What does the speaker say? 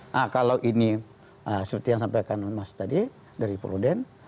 nah kalau ini seperti yang sampaikan mas tadi dari pruden